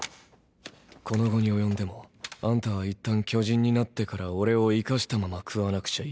この期に及んでもあんたは一旦巨人になってからオレを生かしたまま食わなくちゃいけない。